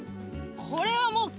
これはもう。